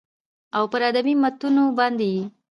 او پر ادبي متونو باندې يې